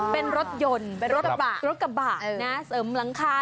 เป็นรถยนต์เป็นรถกระบะเสริมหลังคา